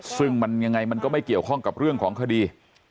ซึ่งมันยังไงมันก็ไม่เกี่ยวข้องกับเรื่องของคดี